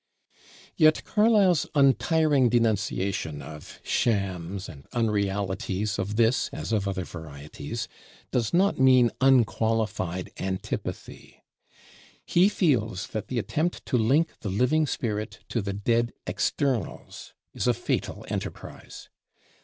Yet Carlyle's untiring denunciation of "shams" and "unrealities" of this, as of other varieties, does not mean unqualified antipathy. He feels that the attempt to link the living spirit to the dead externals is a fatal enterprise.